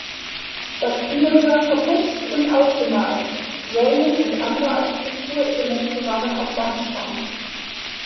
Das Innere war verputzt und ausgemalt, Säulen und andere Architekturelemente waren aus Sandstein.